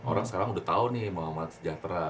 orang sekarang udah tau nih muhammad sejahtera